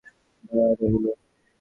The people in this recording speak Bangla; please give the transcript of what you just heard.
দামিনী একটুক্ষণ চুপ করিয়া দাঁড়াইয়া রহিল।